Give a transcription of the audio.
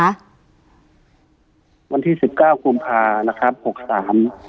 วันที่๑๙กุมภานะครับ๖๓